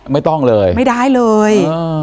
ไม่ต้องเลยไม่ได้เลย